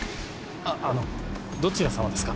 あのどちら様ですか？